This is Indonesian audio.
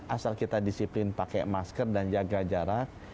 asal kita disiplin pakai masker dan jaga jarak